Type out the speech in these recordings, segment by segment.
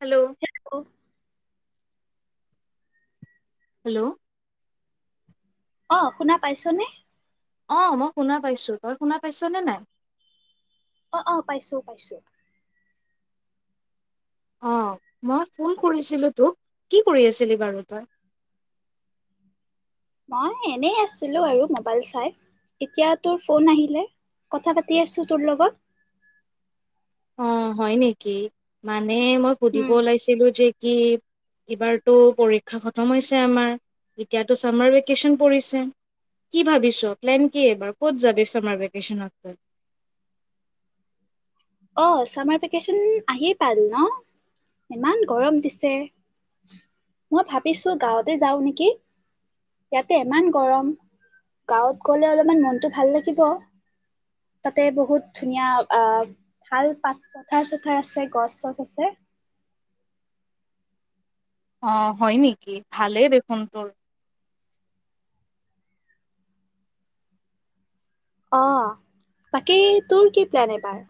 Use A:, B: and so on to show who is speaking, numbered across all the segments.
A: Hello.
B: অ
A: hello.
B: অ শুনা পাইছনে?
A: অ মই শুনা পাইছো, তই শুনা পাইছ নে নাই?
B: অ', অ' পাইছো, পাইছো।
A: অ মই ফোন কৰিছিলো তোক, কি কৰি আছিলি বাৰু তই।
B: মই এনে আছিলো আৰু মোবাইল চাই এতিয়া তোৰ ফোন আহিলে কথা পাতি আছো তোৰ লগত।
A: অ' হয় নেকি মান মানে মই সুধিব
B: উম
A: ওলাইছিলো যে কি এইবাৰটো পৰীক্ষা খতম হৈছে আমাৰ, এতিয়াতো চামাৰ ভেকেচন পৰিছে, কি ভাবিছ প্লেন কি? এইবাৰ ক'ত যাবি চামাৰ ভেকেচনত তই।
B: অহ ', ছামাৰ ভেকেচন আহি পাল ন, ইমান গৰম দিছে মই ভাবিছো গাঁৱতে যাও নেকি, ইয়াতে ইমান গৰম গাঁৱত গ'লে অলপমান মনটো ভাল লাগিব তাতে বহুত ধুনীয়া আহ ভাল পাত পথাৰ-চথাৰ আছে গছ-চছ আছে।
A: অহ ', হয় নেকি ভালেই দেখোন তোৰ।
B: অহ ', বাকী তোৰ কি প্লেন এইবাৰ?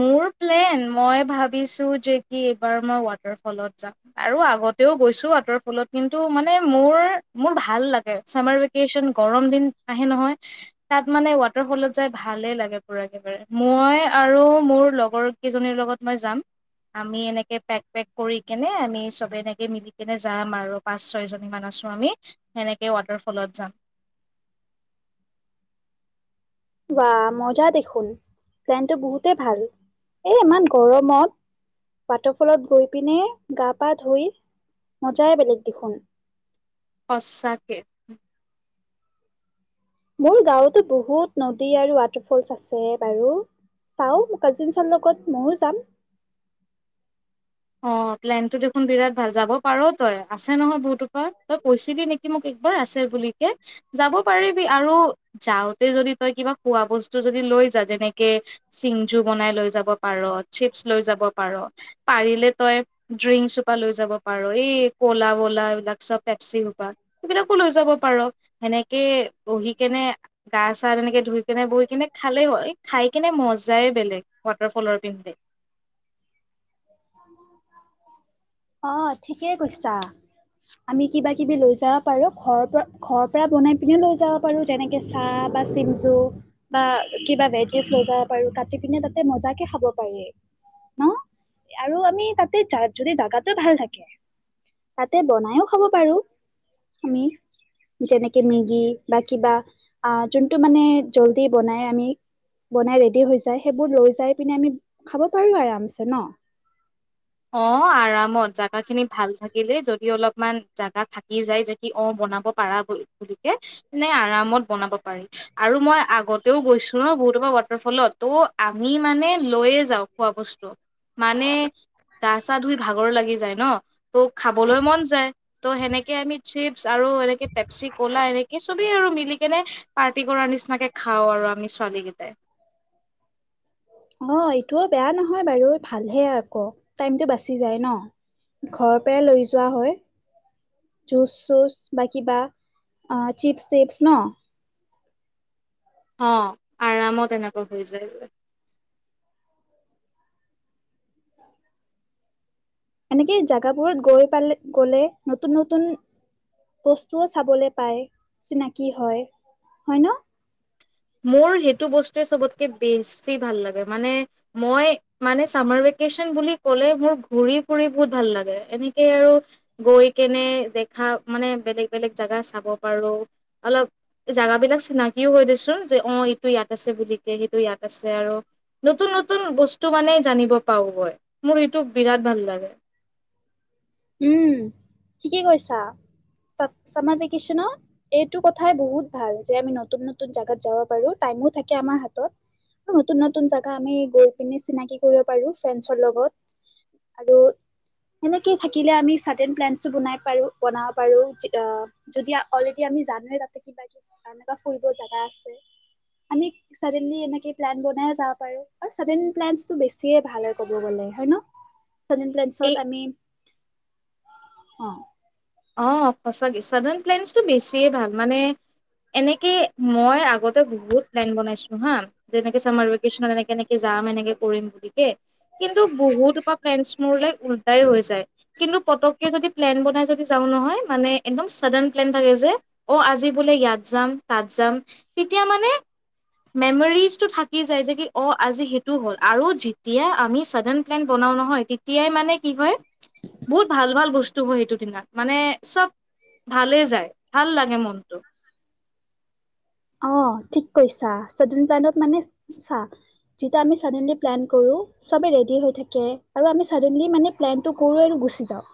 A: মোৰ প্লেন মই ভাবিছো যে, কি এইবাৰ মই ৱাটাৰফলত যাম আৰু আগতেও গৈছো ৱাটাৰ ফলত কিন্তু মানে মোৰ মোৰ ভাল লাগে চামাৰ ভেকেচন গৰম দিন আহে নহয়, তাত মানে ৱাটাৰফলত যাই ভালেই লাগে পোৰা একেবাৰে মই আৰু মোৰ লগৰ কেইজনীৰ লগত মই যাম, আমি এনেকে পেক - পেক কৰি কিনে আমি চবে এনেকৈ মিলি কেনে যাম আৰু পাঁচ ছয়জনীমান আছো আমি সেনেকৈ ৱাটাৰফলত যাম।
B: ৱাহ মজা দেখোন প্লেনটো বহুতেই ভাল, এ ইমান গৰমত ৱাটাৰফলত গৈ পিনে গা পা ধুই মজাই বেলেগ দেখোন।
A: সচাকে।
B: মোৰ গাৱতে বহুত নদী আৰু ৱাটাৰ ফলছ আছে বাৰু, চাও কাজিনচৰ লগত ময়ো যাম।
A: অহ ', প্লেন টো দেখোন বিৰাট ভাল যাব পাৰ তই আছে নহয় বহটোপা, তই কৈছিলি নেকি মোক একবাৰ আছে বুলিকে যাব পাৰিবি আৰু যাওতে যদি তই কিবা খোৱা বস্তু যদি লৈ যা যেনেকে চিংজু বনাই লৈ যাব পাৰ চিপছ লৈ যাব পাৰ। পাৰিলে তই ড্ৰিংক চোপা লৈ যাব পাৰ, এই ক'লা ব'লা এইবিলাক চব পেপচি সোপা সেইবিলাকো লৈ যাব পাৰ, সেনেকে বহি কেনে গা-চা এনেকে ধুই কেনে বহি কেনে খালে হ'ল, খাই কেনে মজ যায় বেলেগ ৱাটাৰফলৰ পিন্ধে।
B: অহ ', অহ', ঠিকে কৈছা, আমি কিবা-কিবি লৈ যাব পাৰো। ঘৰৰ পৰা, ঘৰৰ পৰা বনাই পিনে লৈ যাব পাৰো, যেনেকে চাহ বা চিমজু বা কিবা ভেজিছ লৈ যাব পাৰো কাটি পিনে তাতে মজা কে খাব পাৰি, ন। আৰু আমি তাতে জাগ যদি জাগাটো ভাল থাকে তাতে বনাইও খাব পাৰো, আমি যেনেকে মেগি বা কিবা যোনটো মানে জল্দি বনাই আমি বনাই ৰেডি হৈ যায় সেইবোৰ লৈ যাই পিনে আমি খাব পাৰো আৰাম চে। ন।
A: অহ ', আৰামত জাগা খিনি ভাল থাকিলে যদি অলপমান জাগা থাকি যায় যদি অহ', বনাব পাৰা বুলি- বুলিকে নে আৰামত বনাব পাৰি আৰু মই আগতেও গৈছো ন বহুতপ ৱাটাৰফলত' তুহ আমি মানে লৈয়ে যাও খোৱা বস্তু। মানে গা-চা ধুই ভাগৰ লাগি যায়, ন। অহ ', খাবলৈ মন যায় তহ' সেনেকে আমি চিপচ আৰু এনেকে পেপচি ক'লা এনেকে চবেই আৰু মিলি কেনে খতি কৰাৰ নিচিনাকে খাও আৰু আমি ছোৱালীকেইটাই।
B: টো বেয়া নহয় বাৰু ভালহে আকৌ টাইমটো বাচি যায় ন ঘৰৰ পৰাই লৈ যোৱা হয় জুচ চুচ বা কিবা অহ ', চিপচ টিপছ ন।
A: অহ ', আৰামত এনেকুৱা হৈ যায়।
B: এনেকে জোগাবোৰত গৈ পালে, গ'লে নতুন নতুন বস্তুও চাবলে পায় চিনাকি হয় - হয় ন।
A: মোৰ সেইটো বস্তুৱে চবতকে বেছি ভাল লাগে, মানে মই মানে চামাৰ ভেকেচন বুলি ক'লে মোৰ ঘুৰি ফুৰি বহুত ভাল লাগে এনেকে আৰু গৈ কেনে দেখা মানে বেলেগ - বেলেগ জাগা চাব পাৰো, অলপ জোগাবিলাক চিনাকিও হয় দে চোন। অহ ', ইটো ইয়াত আছে বুলিকে, সেইটো ইয়াত আছে আৰু নতুন নতুন বস্তু মানে জানিব পাওগৈ মোৰ সেইটোক বিৰাট ভাল লাগে।
B: উম, ঠিকে কৈছা চা চামাৰ ভেকেচনত এইটো কথাই বহুত ভাল যে আমি নতুন - নতুন জাগাত যাব পাৰো, টাইমো থাকে আমাৰ হাতত নতুন নতুন জাগা আমি গৈ পি চিনাকি কৰিব পাৰো, ফ্ৰেডছৰ লগত আৰু এনেকে থাকিলে আমি চাডেন প্লেনচো বনাই পাৰো, বনাব পাৰো যি অহ' যদি অল'ৰেদি আমি জামেই তাতে কিবা কিব এনাকা ফুৰিব জাগা আছে, আমি চাডেনলি এনেকে প্লেন বনাই যাব পাৰো বা চাদেনলী প্লেনচটো বেছিয়ে ভাল হয় ক'ব গ'লে হয়, ন।
A: এই
B: সাধ্ৰসত আমি [inaudible] অহ ',
A: অহ ', সচাকে চাদাৰন প্লেনছটো বেছিয়ে ভাল মানে এনেকে মই আগতে বহুত প্লেন বনাইছো হা যেনেকে চামাৰ ভেকেশচনত এনেকে এনেকে যাম এনেকে কৰিম বুলি কে কিন্তু বহুতপ ফে মোৰল উলতাই হৈ যায় কিন্তু পতককে যদি প্লেন বনাই যদি যাও নহয় মানে একদম চাদেন প্লেন থাকে যে অহ ', আজি বোলে ইয়াত যাম তাত যাম তেতিয়া মানে মেমৰিজটো থাকি যায় যে কি অহ ', আজি সেইটো হ'ল আৰু যেতিয়া আমি চাদেন প্লেন বনাও নহয় তেতিয়াই মানে কি হয় বহুত ভাল ভাল বস্তু হয় সেইটো দিনা। মানে চব ভালেই যায়। ভাল লাগে মনটো।
B: অ' ঠিক কৈছা চাদেন প্লেনত মানে চা যিতা আমি চডেনলি প্লেন কৰো চবে ৰেডি হৈ থাকে আৰু আমি চডেনলি মানে প্লেনটো কৰো আৰু গুচি যাওঁ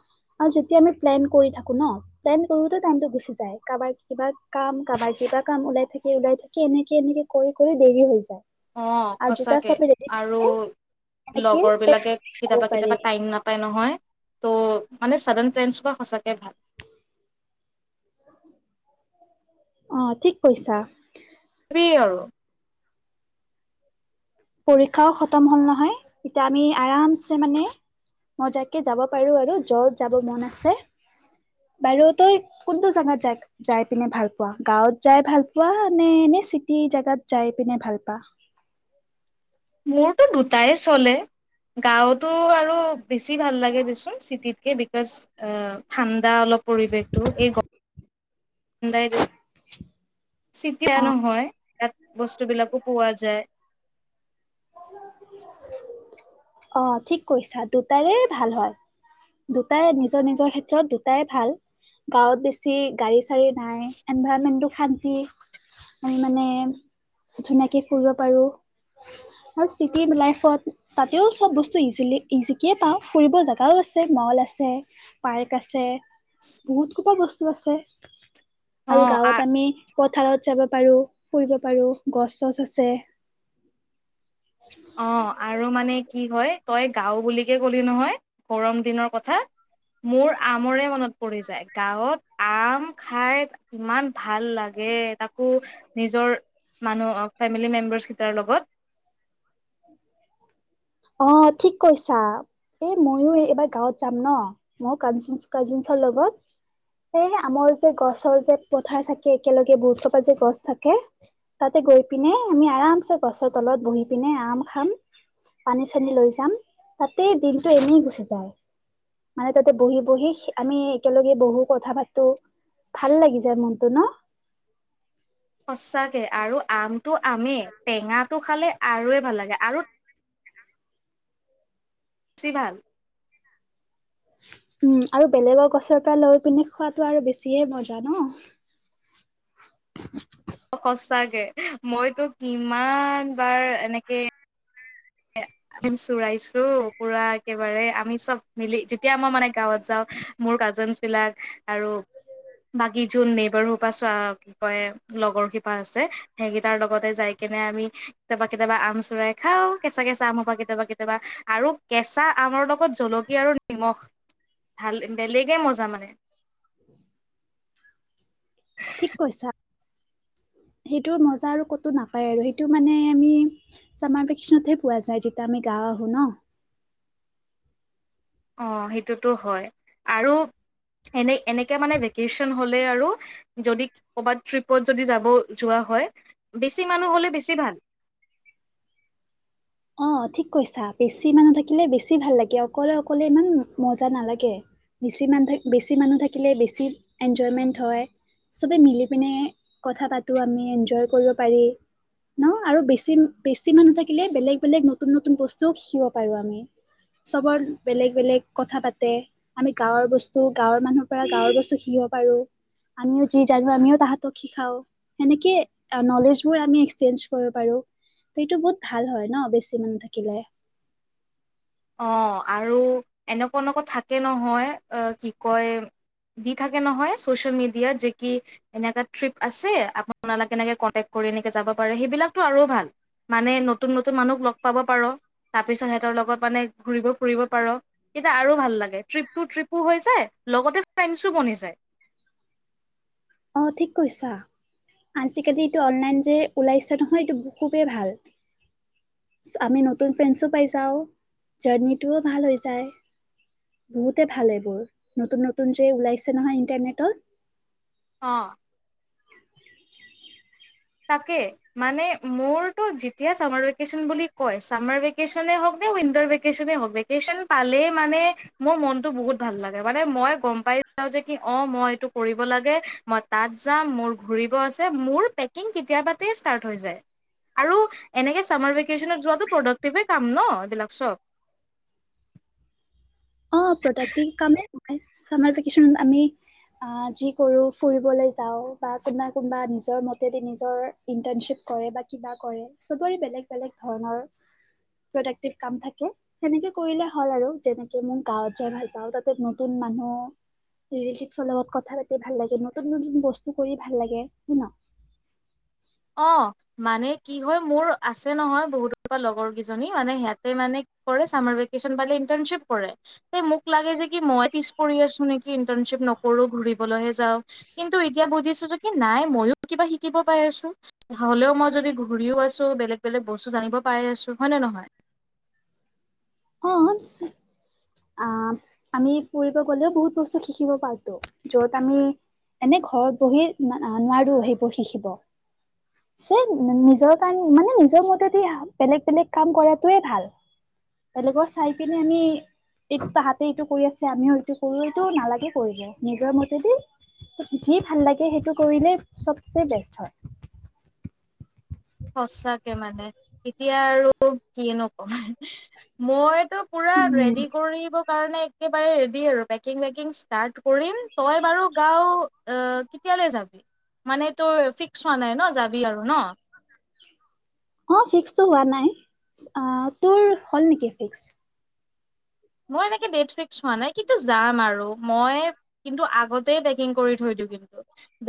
B: আৰু যেতিয়া আমি প্লেন কৰি থাকো ন প্লেন কৰোতে টাইমটো গুচি যায় কাৰোবাৰ কিবা কাম কাৰোবাৰ কিবা কাম ওলাই থাকি ওলাই থাকি এনেকে এনেকে কৰি দেৰি হৈ যায়।
A: অ
B: আৰু যেতিয়া
A: সঁচাকে
B: চবে ৰেডি
A: আৰু
B: থাকে এনেকে
A: লগৰ বিলাকে
B: ক'ব
A: কেতিয়াবা
B: পাৰি
A: কেতিয়াবা টাইম নাপায় নহয় ত' মানে চডেন প্লেনচ হোৱা সঁচা কে ভাল।
B: অ' ঠিক কৈছা।
A: কি আৰু।
B: পৰীক্ষাও খতম হ'ল নহয় এতিয়া আমি আৰামছে মানে মজাককে যাব পাৰো আৰু যত যাব মন আছে বাৰু তই কোনটো জাগাত যাই পিনে ভাল পোৱা গাঁৱত যাই ভাল পোৱা নে এনে চিটি জাগাত যাই পিনে ভাল পোৱা।
A: মোৰতো দুটাই চলে গাঁৱতো আৰু বেছি ভাল লাগে দেচোন চিট বিকজ অ' ঠাণ্ডা অলপ পৰিৱেশটো এই এ [inaudible]
B: [inaudible]
A: চিতিয়া
B: অ
A: নহয়। ইয়াত বস্তুবিলাকো পোৱা যায়।
B: অ' ঠিক কৈছা দুটাৰে ভাল হয় দুটাই নিজৰ নিজৰ ক্ষেত্ৰত দুটাই ভাল গাঁৱত বেছি গাড়ী [inaudible] শান্তি মানে ধুনীয়াকে ফুৰিব পাৰো আৰু চিটি লাইফত তাতেও চব বস্তু ইজিলি ইজিকে পাওঁ ফুৰিব জোগাও আছে মল আছে পাৰ্ক আছে বহুত সোপা বস্তু আছে।
A: অ
B: আল
A: আ
B: গাঁৱত আমি পথাৰত যাব পাৰো ফুৰিব পাৰো গছ চছ আছে
A: অ' আৰু মানে কি হয় তই গাঁও বুলিকে ক'লি নহয় গৰম দিনৰ কথা মোৰ আমৰে মনত পৰি যায় গাঁৱত আম খাই ইমান ভাল লাগে। তাকো নিজৰ মানুহ ফেমিলি মেম্বাৰচ তাৰ লগত
B: অ' ঠিক কৈছা এই ময়ো এইবাৰ গাঁৱত যাম ন মই কাজিন কাজিনছৰ লগত এই আমাৰ যে গছৰ যে পথাৰ থাকে একেলগে বহুত সোপা যে গছ থাকে তাতে গৈ পিনে আমি আৰামছে গছৰ তলত বহি পিনে আম খাম পানী চানী লৈ যাম তাতে দিনটো এনেই গুচি যায় মানে তাতে বহি বহি আমি একেলগে বহো কথা পাতো ভাল লাগি যায় মনটো ন
A: সঁচাকৈ আৰু আমটো আমেই টেঙাটো খালে আৰুে ভাল লাগে আৰু চিভাল
B: উম আৰু বেলেগৰ গছৰ পৰা লৈ পিনে খোৱাতটো আৰু বেছিয়ে মজা ন
A: সচাঁকে মইতো কিমান বাৰ এনেকে আম চুৰাইছো পুৰা একেবাৰে আমি চব মিলি যেতিয়া আমাৰ মানে গাঁৱত যাও মোৰ কাজেনচ্ বিলাক আৰু বাকী যোন নেবাৰ সোপা চ বে লগৰ শিপা আছে সেইকেইটাৰ লগতে যাই কিনে আমি কেতিয়াবা, কেতিয়াবা আম চোৰাই খাও। কেচা, কেচা আমৰ পৰা কেতিয়াবা, কেতিয়াবা আৰু কেচা। আমৰ লগত জলকীয়া আৰু নিমখ, ভাল বেলেগে মজা মানে।
B: [inaudible] ঠিক কৈছা সেইটোৰ মজা আৰু ক'তো নাপায় আৰু সেইটো মানে আমি চামাৰ ভেকশ্যনতহে পোৱা যায় যেতিয়া আমি গাওঁ আহো নহ।
A: অ' সেইটোতো হয় আৰু এনে এনেকে মানে ভেকেশ্যন হ'লে আৰু যদি ক'ৰবাত ট্ৰিপত যদি যাব যোৱা হয় বেছি মানুহ হ'লে বেছি ভাল।
B: অ' ঠিক কৈছা বেছি মানুহ থাকিলে বেছি ভাল লাগে, অকলে অকলে ইমান মজা নালাগে বেছি মানুহ থাক বেছি মানুহ থাকিলে বেছি এনজয়মেন্ট হয় চবে মিলি পিনে কথা পাতো আমি এনজয় কৰিব পাৰি নহ আৰু বেছি, বেছি মানুহ থাকিলে বেলেগ বেলেগ নতুন নতুন বস্তুও শিকিব পাৰোঁ আমি, চবৰ বেলেগ বেলেগ কথা পাতে আমি গাঁৱৰ বস্তু গাঁৱৰ মানুহৰ পৰা গাঁৱৰ বস্তু শিকিব পাৰো, আমিও যি জানো আমিও তাহতক শিকাওঁ সেনেকে নলেজ বোৰ আমি এক্সচেঞ্জ কৰিব পাৰোঁ ত এইটো বহুত ভাল হয় নহ। বেছি মন থাকিলে।
A: অ' আৰু এনেকুৱা এনেকুৱা থাকে নহয় আ কি কয় দি থাকে নহয় ছ'চিয়েল মিডিয়াত যে কি এনেকুৱা ট্ৰিপ আছে আপোনালাগে এনেকে কণ্টেক্ট কৰি এনেকে যাব পাৰে সেইবিলাকতো আৰু ভাল মানে নতুন, নতুন মানুহক লগ পাব পাৰ তাৰ পিছত সেহঁতৰ লগত মানে ঘুৰিব-ফুৰিব পাৰ তেতিয়া আৰু ভাল লাগে। ট্ৰিপটো ট্ৰিপো হৈ যায়, লগতে ফ্ৰেণ্ডছো বনি যায়।
B: অ', ঠিক কৈছা। আজিকালি এইটো অনলাইন যে ওলাইছে নহয় এইটো খুবেই ভাল। আমি নতুন ফ্ৰেণ্ডছো পাই যাওঁ, জাৰ্ণিটোও ভাল হৈ যায়। বহুতে ভাল এইবোৰ নতুন-নতুন যে ওলাইছে নহয় ইণ্টাৰনেটত।
A: অ'। তাকে, মানে মোৰতো যেতিয়া চামাৰ ভেকেশ্যন বুলি কয়, চামাৰ ভেকেশ্যনই হওঁক নে উইণ্টাৰ ভেকেশ্যনেই হওঁক, ভেকেশ্যন পালেই মানে মোৰ মনটো বহুত ভাল লাগে। মানে মই গম পাই যাওঁ যে কি অ', মই এইটো কৰিব লাগে, মই তাত যাম, মোৰ ঘূৰিব আছে, মোৰ পে কিং কেতিয়াবাটে ষ্টাৰ্ট হৈ যায়। আৰু এনেকে চামাৰ ভেকে শ্যনত যোৱাটো প্ৰডাক্টিভে কাম ন। বিলাক চব
B: অ', প্ৰডাক্টিভ কামে হয়। চামাৰ ভেকেশ্যন আমি আ যি কৰো ফুৰিবলৈ যাও বা কোনোবা, কোনোবা নিজৰ মতেদি নিজৰ ইন্টাৰ্নশ্বিপ কৰে বা কিবা কৰে চবৰে বেলেগ বেলেগ ধৰণৰ প্ৰডাক্টিভ কাম থাকে। সেনেকে কৰিলে হ'ল আৰু যেনে নেকে মোৰ গাঁৱত যাই ভাল পাওঁ, তাতে নতুন মানুহ, ৰিলেটিভছৰ লগত কথা পাতি ভাল লাগে। নতুন নতুন বস্তু কৰি ভাল লাগে, হয় ন।
A: অ', মানে কি হয় মোৰ আছে নহয় বহুত লগৰ কেইজনী, মানে সিহাতে মানে কৰে চামাৰ ভেকেশ্যন পালে ইণ্টাৰ্নশ্বিপ কৰে, মোক লাগে যে কি মই পিছ পৰি আছো নেকি ইণ্টাৰ্নশ্বিপ নকৰো ঘুৰিবলৈহে যাওঁ। কিন্তু এতিয়া বুজিছো কি নাই মইও কিবা শিকিব পাই আছো। হ'লেও মই যদি ঘূৰিও আছো, বেলেগ বেলেগ বস্তু জানিব পাই আছো হয়নে নহয়?
B: অ', আ আমি ফুৰিব গলেও বহুত বস্তু শিকিব পাৰতো, য'ত আমি এনে ঘৰত বহি নো-ৱা-নোৱাৰো সেইবোৰ শিকিব। চেম নিজৰ কাৰ মানে নিজৰ মতে দি হাম বেলেগ, বেলেগ কাম কৰাটোৱে ভাল। বেলেগৰ চাই পিনে আমি এইটো তাহাতে এইটো কৰি আছে আমিও এইটো কৰো, এইটো নালাগে কৰিব, নিজৰ মতেদি যি ভাল লাগে সেইটো কৰিলে চবছে বেষ্ট হয়।
A: সচাকে মানে, এতিয়া আৰু কি নকম মই। পুৰা
B: উম
A: ৰেডি কৰিব কাৰণে একেবাৰে ৰেডি আৰু পেকিং ৱেকিং ষ্টাৰ্ট কৰিম, তই বাৰু গাওঁ আ কেতিয়ালৈ যাবি? মানে তই ফিক্স হোৱা নাই ন যাবি আৰু নহ।
B: অ' ফিক্সটো হোৱা নাই। আ, তোৰ হ'ল নেকি ফিক্স?
A: মই এনেকে ডেট ফিক্স হোৱা নাই, কিন্তু যাম আৰু, মই কিন্তু আগতে পেকিং কৰি থৈ দিওঁ কিন্তু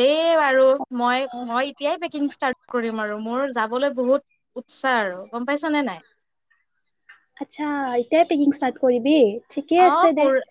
A: দেই। [unintelligible] বাৰু মই, মই এতিয়াই পেকিং ষ্টাৰ্ট কৰিম। আৰু মোৰ যাবলৈ বহুত উৎসাহ আৰু গম পাইছ নে নাই?
B: আচ্ছা এতিয়াই পেকিং ষ্টাৰ্ট কৰিবি? ঠিকে
A: অ'
B: আছে দে
A: কোৰ